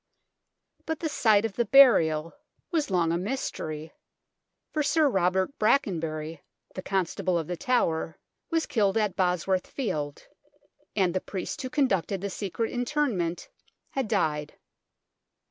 But the site of the burial was long a BLOODY TOWER AND REGALIA 97 mystery, for Sir Robert Brackenbury, the Constable of The Tower, was killed at Bosworth Field, and the priest who conducted the secret interment had died.